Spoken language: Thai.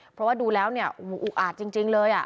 เพราะว่าดูแล้วเนี่ยอุกอาจจริงเลย